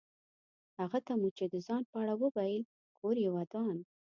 هغه ته مو چې د ځان په اړه وویل کور یې ودان.